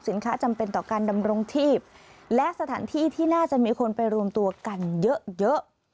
จำเป็นต่อการดำรงชีพและสถานที่ที่น่าจะมีคนไปรวมตัวกันเยอะเยอะ